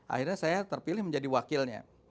akhirnya saya terpilih menjadi wakilnya